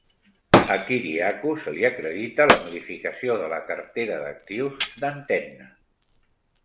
A Kyriakou se l'hi acredita la modificació de la cartera d'actius d'Antenna.